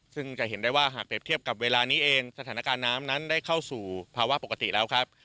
ซึ่งจะเห็นได้ว่าหากเปรียบเทียบกับเวลานี้เองสถานการณ์น้ำนั้นได้เข้าสู่ภาวะปกติแล้วครับ